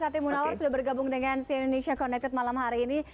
sati munawar sudah bergabung dengan cn indonesia connected malam hari ini